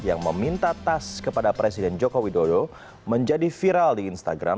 yang meminta tas kepada presiden joko widodo menjadi viral di instagram